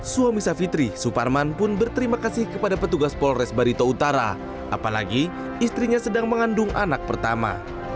suami savitri suparman pun berterima kasih kepada petugas polres barito utara apalagi istrinya sedang mengandung anak pertama